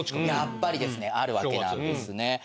やっぱりですねあるわけなんですね。